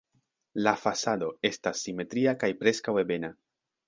La fasado estas simetria kaj preskaŭ ebena.